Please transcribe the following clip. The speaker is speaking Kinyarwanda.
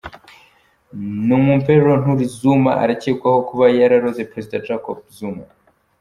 Nompumelelo Ntuli-Zuma aracyekwaho kuba yararoze Perezida Jacob Zuma.